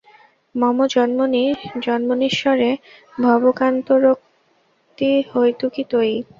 মম জন্মনি জন্মনীশ্বরে ভবতাদ্ভক্তিরহৈতুকী ত্বয়ি।